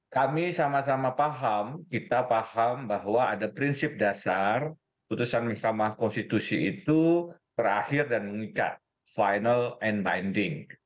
kami sama sama paham kita paham bahwa ada prinsip dasar putusan mahkamah konstitusi itu berakhir dan mengikat final and binding